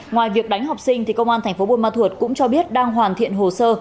ngoài việc đánh học sinh công an thành phố buôn ma thuột cũng cho biết đang hoàn thiện hồ sơ